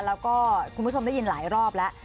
แล้วก็คุณผู้ชมได้ยินหลายรอบแล้ว